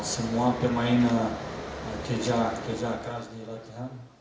semua pemain keja keras di latihan